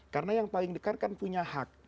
karena yang paling dekat kan punya hak